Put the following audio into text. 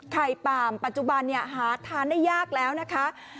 ป่ามปัจจุบันหาทานได้ยากแล้วนะคะ